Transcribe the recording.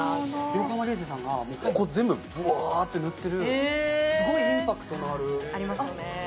横浜流星さんがもうここ全部ブワッて塗ってるすごいインパクトのあるありますよね